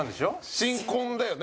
新婚だよね？